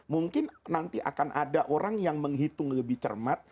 mungkin nanti akan ada orang yang menghitung lebih cermat